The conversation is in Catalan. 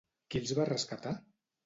Qui els va rescatar?